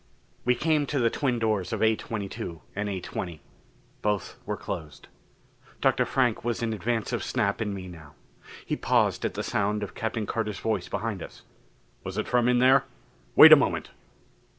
We came to the twin doors of A22 and A20. Both were closed. Dr. Frank was in advance of Snap and me now. He paused at the sound of Captain Carter's voice behind us. "Was it from in there? Wait a moment!"